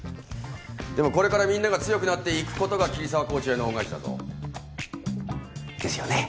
でもこれからみんなが強くなっていく事が桐沢コーチへの恩返しだぞ。ですよね？